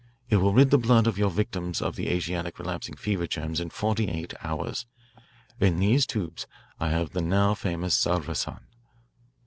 It will rid the blood of your victims of the Asiatic relapsing fever germs in forty eight hours. In these tubes I have the now famous salvarsan."